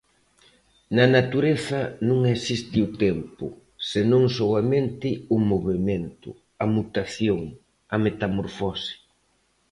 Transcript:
Na natureza non existe o tempo, senón soamente o movemento, a mutación, a metamorfose.